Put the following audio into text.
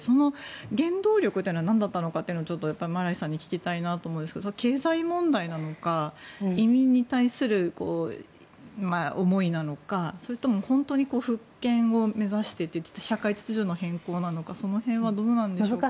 原動力って何だったのかマライさんに聞きたいと思うんですが経済問題なのか移民に対する思いなのかそれとも本当に復権を目指していて社会秩序の変更なのかその辺はどうなんでしょうか？